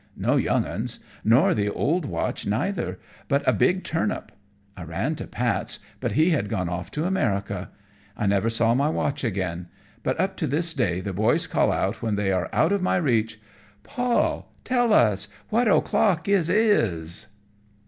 No younguns, nor the old watch neither, but a big turnip. I ran to Pat's, but he had gone off to America. I never saw my watch again; but up to this day the boys call out, when they are out of my reach "Paul, tell us what o'clock it is."